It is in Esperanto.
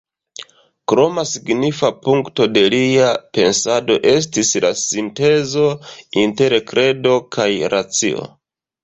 Kroma signifa punkto de lia pensado estis la sintezo inter kredo kaj racio.